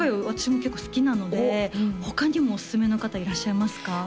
私も結構好きなので他にもおすすめの方いらっしゃいますか？